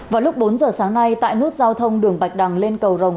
vào lúc bốn giờ sáng nay tại nút giao thông đường bạch đăng lên cầu rồng